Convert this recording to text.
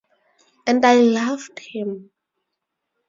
And I loved him.